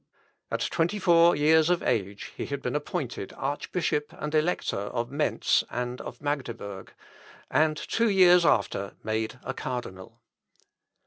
At twenty four years of age he had been appointed Archbishop and Elector of Mentz and of Magdeburg, and two years after made a cardinal.